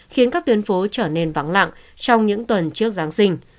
khiến các tuyến phố trở nên vắng lặng trong những tuần trước giáng sinh